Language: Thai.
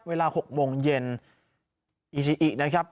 เวลา๖โมงเย็นอีซีอินะครับ